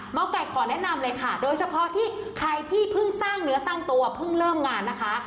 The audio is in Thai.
ไก่ขอแนะนำเลยค่ะโดยเฉพาะที่ใครที่เพิ่งสร้างเนื้อสร้างตัวเพิ่งเริ่มงานนะคะ